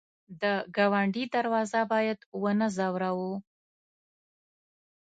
د ګاونډي دروازه باید ونه ځوروو